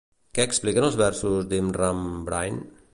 Què expliquen els versos d'Immram Brain?